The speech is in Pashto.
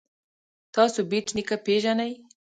تاسو بېټ نیکه پيژنئ.